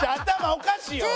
おかしいよ俺。